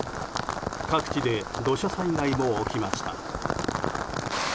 各地で土砂災害も起きました。